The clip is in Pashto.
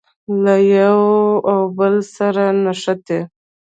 له یوه او بل سره نښتي.